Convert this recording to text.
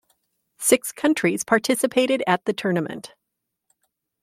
Six countries participated at the tournament.